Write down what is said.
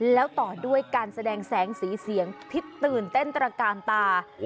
แล้วต่อด้วยการแสดงแสงสีเสียงที่ตื่นเต้นตระกาลตา